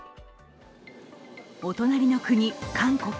お隣の国、韓国。